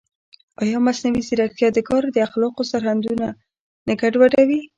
ایا مصنوعي ځیرکتیا د کار د اخلاقو سرحدونه نه ګډوډوي؟